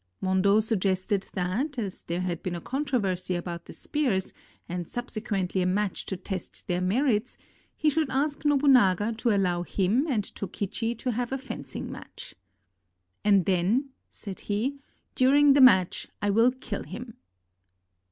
Mondo suggested that, as there had been a controversy about the spears and subsequently a match to test their merits, he should ask Nobunaga to allow him and Tokichi to have a fencing match, "And then," said he, "during the match I will kill him."